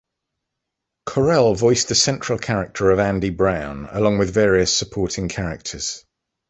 Correll voiced the central character of Andy Brown, along with various supporting characters.